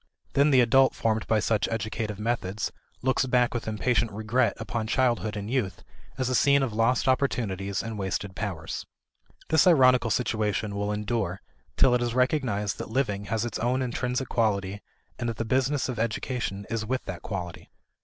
Then the adult formed by such educative methods looks back with impatient regret upon childhood and youth as a scene of lost opportunities and wasted powers. This ironical situation will endure till it is recognized that living has its own intrinsic quality and that the business of education is with that quality.